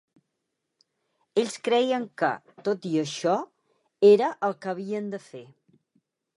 Ells creien que, tot i això, era el que havien de fer.